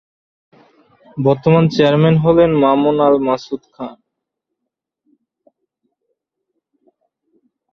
বর্তমান চেয়ারম্যান হলেন মামুন আল মাসুদ খান।